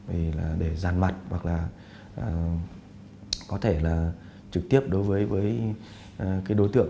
các đối tượng nợ tiền để gian mặt hoặc là có thể là trực tiếp đối với đối tượng